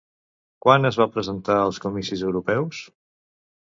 Quan es va presentar als comicis europeus?